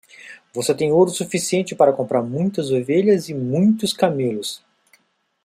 Você tem ouro suficiente para comprar muitas ovelhas e muitos camelos.